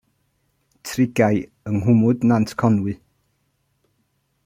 Trigai yng nghwmwd Nant Conwy.